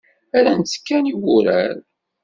Rran-tt kan i wurar.